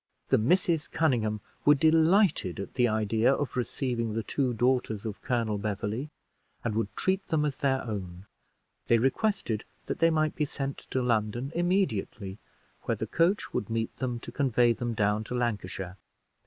The Misses Conynghame were delighted at the idea of receiving the two daughters of Colonel Beverley, and would treat them as their own; they requested that they might be sent to London immediately, where the coach would meet them to convey them down to Lancashire.